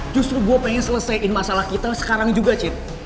justru gue pengen selesaikan masalah kita sekarang juga cet